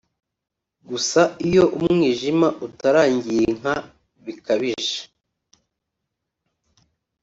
Gusa iyo umwijima utarangirinka bikabije